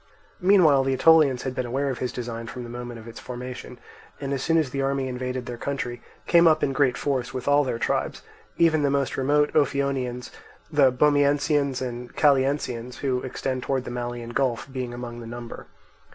Meanwhile the Aetolians had been aware of his design from the moment of its formation, and as soon as the army invaded their country came up in great force with all their tribes; even the most remote Ophionians, the Bomiensians, and Calliensians, who extend towards the Malian Gulf, being among the number.